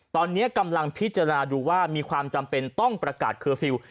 ตอนนี้กำลังพิจารณาดูว่ามีความจำเป็นต้องประกาศเคอร์ฟิลล์